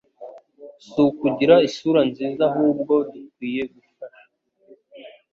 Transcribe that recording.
sukugira ,isura nziza ahubwo dukwiye gufasha